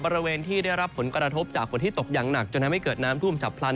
บริเวณที่ได้รับผลกระทบจากฝนที่ตกอย่างหนักจนทำให้เกิดน้ำท่วมฉับพลัน